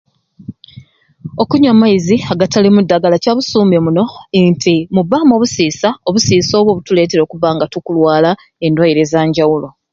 Okunywa amaizi agatalimu ddagala kyabusuume muno nti mubbaamu obusiisa obusiisa obwo obutuleetera okubba nga tukulwala endwaire ezanjawulo.